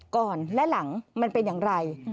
ก่อนและหลังมันเป็นอย่างไร